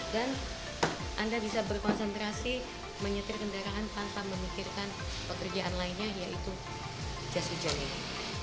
dan anda bisa berkonsentrasi menyetir kendaraan tanpa memikirkan pekerjaan lainnya yaitu jas hujan ini